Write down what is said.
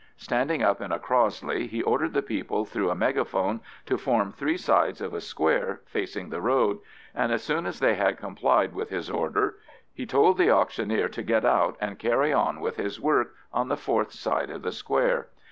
Standing up in a Crossley, he ordered the people through a megaphone to form three sides of a square facing the road, and, as soon as they had complied with his order, he told the auctioneer to get out and carry on with his work on the fourth side of the square.